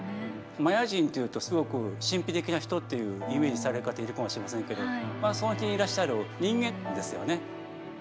マヤ人というとすごく神秘的な人っていうイメージのされ方いるかもしれませんけどその辺にいらっしゃる人間ですよね。